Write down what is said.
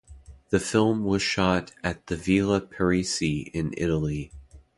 The film was shot at the Villa Parisi in Italy.